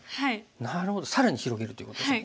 なるほど更に広げるということですね。